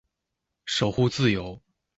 守護自由